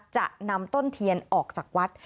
จะนำต้นเทียนออกจากวัด